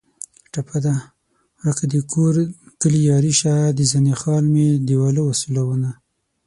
ټپه ده: ورکه دکور کلي یاري شه د زنې خال مې دېواله و سولونه